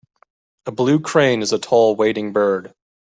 A blue crane is a tall wading bird.